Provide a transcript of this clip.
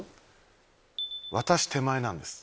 私手前なんです。